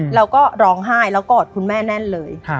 แล้วก็ร้องไห้แล้วกอดคุณแม่แน่นเลย